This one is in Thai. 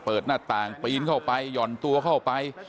หน้าต่างปีนเข้าไปหย่อนตัวเข้าไป